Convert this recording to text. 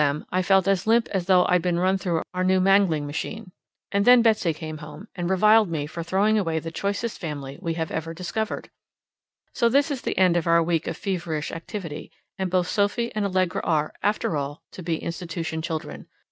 's. Between the two of them I feel as limp as though I'd been run through our new mangling machine. And then Betsy came home, and reviled me for throwing away the choicest family we have ever discovered! So this is the end of our week of feverish activity; and both Sophie and Allegra are, after all, to be institution children.